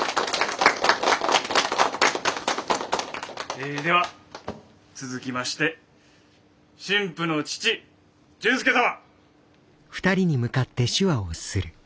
えでは続きまして新婦の父純介様！